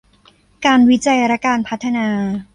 การวิจัยและการพัฒนา